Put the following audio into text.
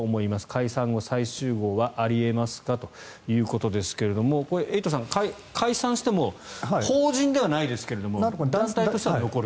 解散後、再集合はあり得ますかということですがこれはエイトさん解散しても法人ではないですが団体としては残ると。